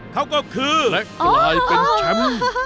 เขาก็คือและกลายเป็นแชมป์อ๋ออ๋ออ๋อ